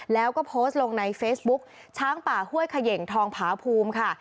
แล้วก็โพสต์ลงในเฟซบุ๊กช้างป่าห้วยเขย่งทองผาภูมิค่ะ